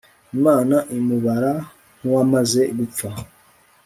imana imubara nk'uwamaze gupfa